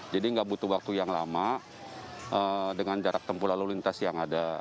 jadi nggak butuh waktu yang lama dengan jarak tempuh lalu lintas yang ada